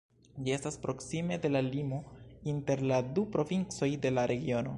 Ĝi estas proksime de la limo inter la du provincoj de la regiono.